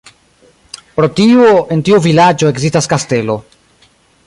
Pro tio en tiu vilaĝo ekzistas kastelo.